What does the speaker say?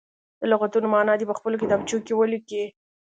د لغتونو معنا دې په خپلو کتابچو کې ولیکي.